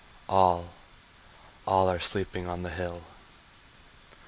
All, all are sleeping on the hill.